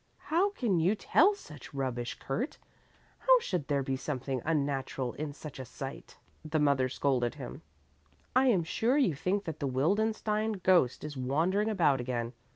"How can you tell such rubbish, Kurt? How should there be something unnatural in such a sight?" the mother scolded him. "I am sure you think that the Wildenstein ghost is wandering about again.